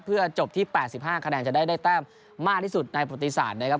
เพื่อจบที่๘๕คะแนนจะได้ได้แต้มมากที่สุดในประติศาสตร์นะครับ